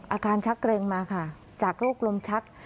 อาการชักเกร็งมาค่ะจากโรคลมชัก